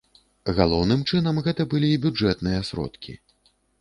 Галоўным чынам гэта былі бюджэтныя сродкі.